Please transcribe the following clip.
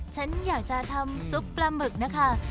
ฉันอยากจะทำซุปปลาหมึกนะคะ